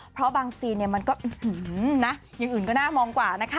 เพราะบางซีนมันก็อย่างอื่นก็น่ามองกว่านะคะ